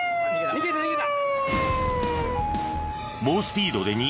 逃げた逃げた！